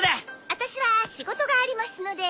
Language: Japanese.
私は仕事がありますので。